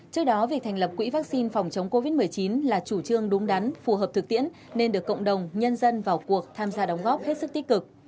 trước đó việc thành lập quỹ vaccine phòng chống covid một mươi chín là chủ trương đúng đắn phù hợp thực tiễn nên được cộng đồng nhân dân vào cuộc tham gia đóng góp hết sức tích cực